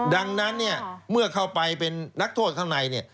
ดังนั้นเมื่อเข้าไปเป็นนักโทษข้างใน